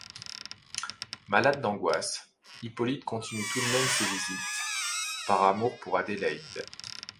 Malade d’angoisse, Hippolyte continue tout de même ses visites, par amour pour Adélaïde.